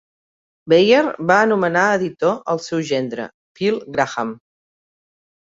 Meyer va anomenar editor el seu gendre, Phil Graham.